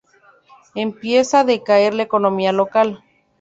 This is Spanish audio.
Empieza a decaer la economía local.